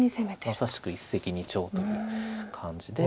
まさしく一石二鳥という感じで。